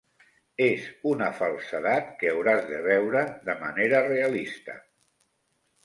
És una falsedat que hauràs de veure de manera realista.